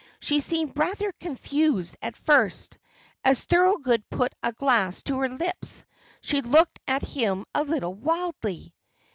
She seemed rather confused at first. As Thorold put a glass to her lips, she looked at him a little wildly.